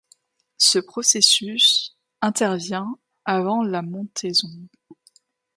Ce processus intervient avant la montaison.